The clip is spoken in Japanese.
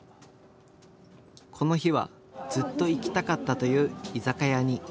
この日はずっと行きたかったという居酒屋に。